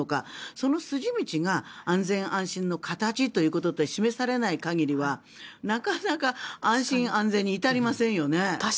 その筋道が安全安心の形ということで示されない限りはなかなか安心安全に確かにそうですね。